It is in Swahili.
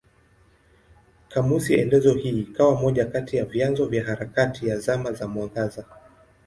Kamusi elezo hii ikawa moja kati ya vyanzo vya harakati ya Zama za Mwangaza.